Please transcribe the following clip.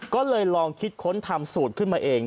ก็เลยลองคิดค้นทำสูตรขึ้นมาเอง